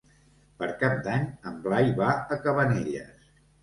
Per Cap d'Any en Blai va a Cabanelles.